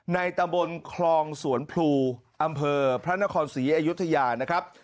ตำบลคลองสวนพลูอำเภอพระนครศรีอยุธยานะครับ